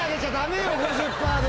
５０％で。